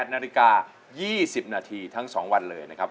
นาฬิกา๒๐นาทีทั้ง๒วันเลยนะครับ